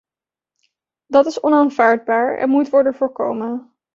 Dat is onaanvaardbaar en moet worden voorkomen.